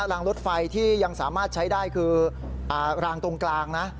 รางรถไฟที่ยังสามารถใช้ได้คือรางตรงกลางนะ